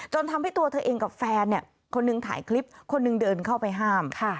ทำให้ตัวเธอเองกับแฟนคนหนึ่งถ่ายคลิปคนหนึ่งเดินเข้าไปห้าม